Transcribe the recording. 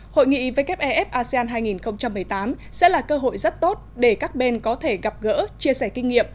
hội nghị wef asean hai nghìn một mươi tám sẽ là cơ hội rất tốt để các bên có thể gặp gỡ chia sẻ kinh nghiệm